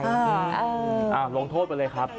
ลงโทษไปเลยครับ